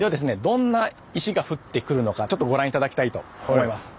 どんな石が降ってくるのかちょっとご覧頂きたいと思います。